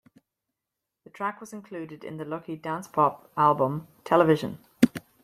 The track was included in the lucky dance-pop album "Television".